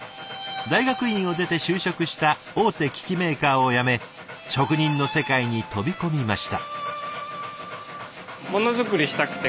大学院を出て就職した大手機器メーカーを辞め職人の世界に飛び込みました。